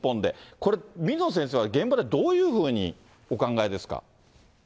これ、水野先生は現場でどういうふうにお考えですか。